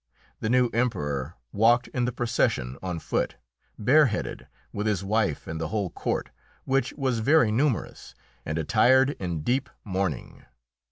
The new Emperor walked in the procession on foot, bareheaded, with his wife and the whole court, which was very numerous, and attired in deep mourning.